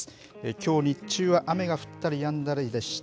きょう日中は雨が降ったりやんだりでした。